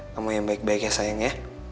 kamu yang baik baik ya sayang ya